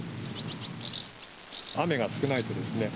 雨が少ないとですね。